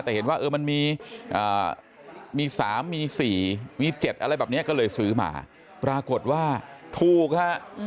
แต่เห็นว่ามันมี๓มี๔มี๗อะไรแบบนี้ก็เลยซื้อมาปรากฏว่าถูกฮะ